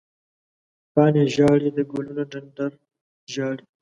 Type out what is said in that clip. پاڼې ژاړې، د ګلونو ډنډر ژاړې